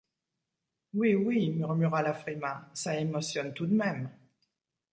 Oui, oui, murmura la Frimat, ça émotionne tout de même.